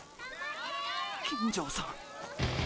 金城さん。